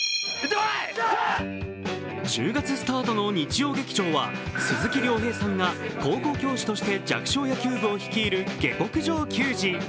１０月スタートの日曜劇場は、鈴木亮平さんが高校教師として弱小野球部を率いる「下剋上球児」。